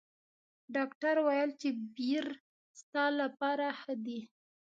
ډاکټر ویل چې بیر ستا لپاره ښه دي.